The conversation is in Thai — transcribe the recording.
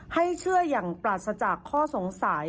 ให้เชื่ออย่างปราศจากข้อสงสัย